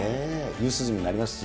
夕涼みになりますし。